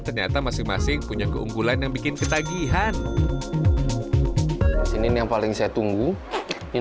ternyata masing masing punya keunggulan yang bikin ketagihan ini yang paling saya tunggu yang